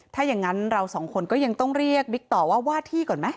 ถ้าอย่างนั้นเราสองคนก็ยังต้องเรียกบิ๊กต่อว่าว่าที่ก่อนไหม